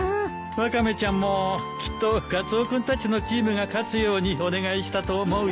ワカメちゃんもきっとカツオ君たちのチームが勝つようにお願いしたと思うよ。